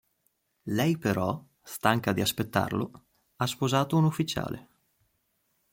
Lei però, stanca di aspettarlo, ha sposato un ufficiale.